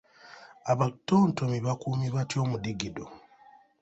Abatontomi bakuumye batya omudigido?